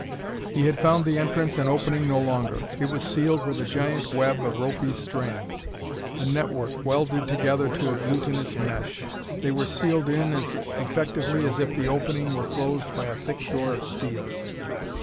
He had found the entrance an opening no longer: it was sealed with a giant web of ropy strands a network, welded together to a glutinous mesh. They were sealed in as effectively as if the opening were closed by a thick door of steel.